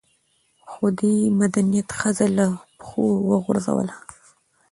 خو دې مدنيت ښځه له پښو وغورځوله